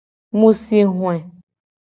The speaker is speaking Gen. Mu si hoe.